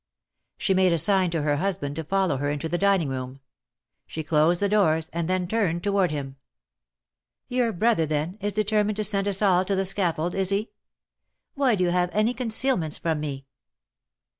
She made a sign to her husband to follow her into the dining room. She closed the doors and then turned to ward him : Your brother then, is determined to send us all to the scaffold, is he? Why do you have any concealments from me?